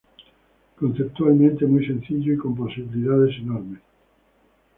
Conceptualmente muy sencillo y con posibilidades enormes.